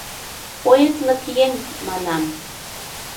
Поэтлык еҥ, манам.